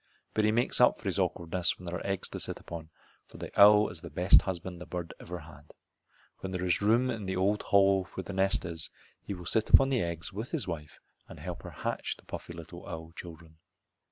But he makes up for his awkwardness when there are eggs to sit upon, for the owl is the best husband a bird ever had. When there is room in the old hollow where the nest is he will sit on the eggs with his wife and help her hatch the puffy little owl children.